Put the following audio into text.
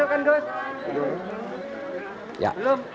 jangan dimasukkan gus